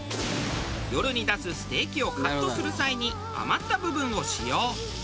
夜に出すステーキをカットする際に余った部分を使用。